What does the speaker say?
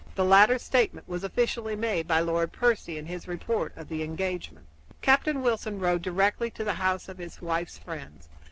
The latter statement was officially made by Lord Percy in his report of the engagement. Captain Wilson rode direct to the house of his wife's friends.